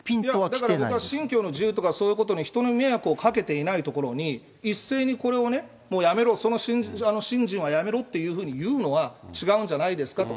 だから僕は信教の自由とか、そういうことに人に迷惑をかけていないところに一斉にこれをね、もうやめろ、その信心はやめろっていうふうに言うのは違うんじゃないですかと。